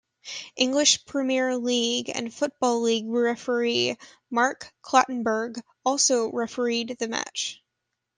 English Premier League and Football League referee Mark Clattenburg also refereed the match.